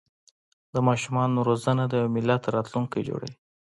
د ماشومانو روزنه د یو ملت راتلونکی جوړوي.